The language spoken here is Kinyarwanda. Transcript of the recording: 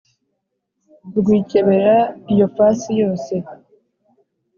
Rwikebera iyo fasi yose